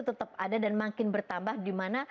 tetap ada dan makin bertambah dimana